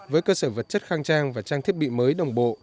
với cơ sở vật chất khang trang và trang thiết bị mới đồng bộ